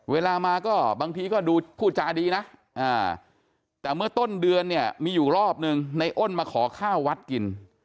เวลามาก็บางทีก็ดูพูดจาดีนะแต่เมื่อต้นเดือนเนี่ยมีอยู่รอบหนึ่งในอ้นมาขอข้าววัดกิน